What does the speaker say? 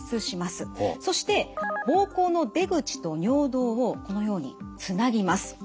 そして膀胱の出口と尿道をこのようにつなぎます。